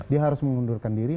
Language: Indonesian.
dia harus mengundurkan diri